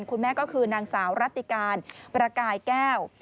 คุณแม่ก็คือนางสาวรัติการประกายแก้ว